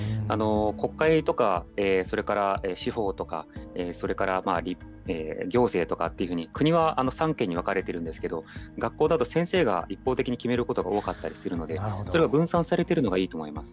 国会とかそれから司法とか、それから行政とかっていうふうに、国は三権に分かれてるんですけれども、学校だと先生が一方的に決めることが多かったりするので、それが分散されているのがいいことだと思います。